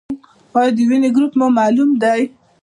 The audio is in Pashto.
ایا د وینې ګروپ مو معلوم دی؟